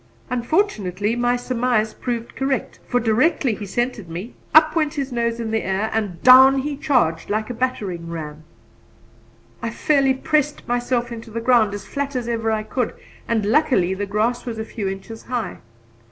Unfortunately, my surmise proved correct, for directly he scented me, up went his nose in the air and down he charged like a battering ram. I fairly pressed myself into the ground, as flat as ever I could, and luckily the grass was a few inches high.